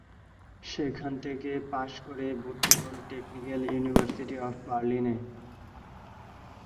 সেখান থেকে পাশ করে ভর্তি হন টেকনিক্যাল ইউনিভার্সিটি অফ বার্লিনে।